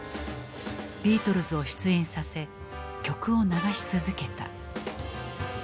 ビートルズを出演させ曲を流し続けた。